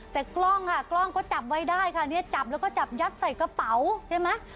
แต่กล้องค่ะกล้องก็จับไว้ได้ค่ะเนี่ยจับแล้วก็จับยัดใส่กระเป๋าใช่ไหม